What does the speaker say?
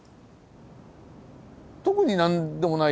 特に何でもない